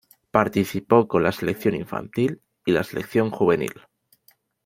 Participó con la Selección Infantil y la Selección Juvenil.